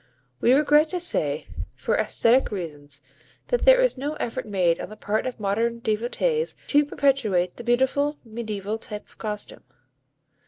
We regret to say, for æsthetic reasons, that there is no effort made on the part of modern devotees to perpetuate the beautiful mediæval type of costume.